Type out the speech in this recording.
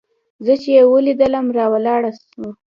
زه چې يې ولېدلم راولاړ سو.